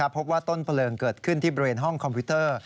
พบว่าต้นเพลิงเกิดขึ้นที่บริเวณห้องคอมพิวเตอร์